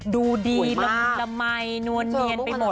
ดูดีละมายนวลเนียนไปหมด